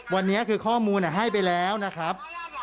วันนี้คือข้อมูลให้ไปแล้วนะครับ